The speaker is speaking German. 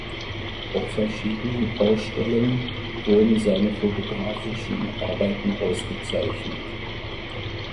Auf verschiedenen Ausstellungen wurden seine fotografischen Arbeiten ausgezeichnet.